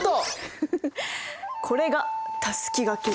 これがたすきがけ。